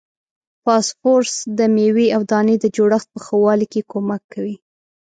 فاسفورس د میوې او دانې د جوړښت په ښه والي کې کومک کوي.